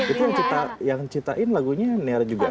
itu yang ciptain lagunya kaniar juga